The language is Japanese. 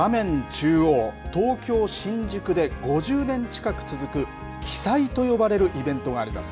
中央、東京・新宿で５０年近く続く、奇祭と呼ばれるイベントがあります。